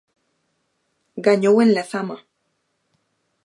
Gañou en Lezama.